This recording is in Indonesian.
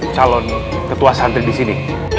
calon ketua santri disini